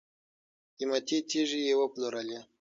قیمتي تیږي یې وپلورلې.